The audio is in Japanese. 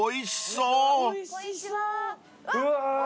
うわ